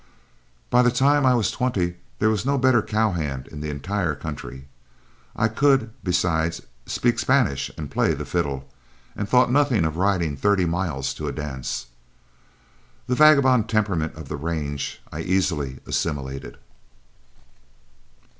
By the time I was twenty there was no better cow hand in the entire country. I could, besides, speak Spanish and play the fiddle, and thought nothing of riding thirty miles to a dance. The vagabond temperament of the range I easily assimilated.